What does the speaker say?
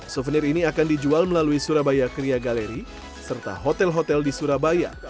souvenir ini akan dijual melalui surabaya kria galeri serta hotel hotel di surabaya